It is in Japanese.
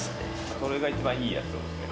それが一番いいやつなんですね。